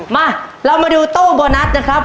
มาเรามาดูตู้โบนัสนะครับ